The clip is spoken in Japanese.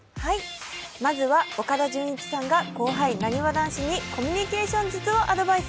まずは岡田准一さんが後輩、なにわ男子にコミュニケーション術をアドバイス。